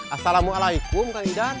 assalamualaikum kang idan